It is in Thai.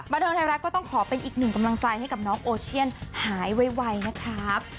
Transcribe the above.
บันเทิงไทยรัฐก็ต้องขอเป็นอีกหนึ่งกำลังใจให้กับน้องโอเชียนหายไวนะครับ